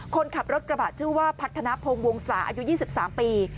คนขับรถกระบะชื่อว่าพัฒนาพงศ์วงศาอายุยี่สิบสามปี